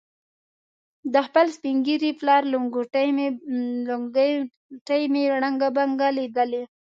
د خپل سپین ږیري پلار لنګوټه مې ړنګه بنګه لیدلې.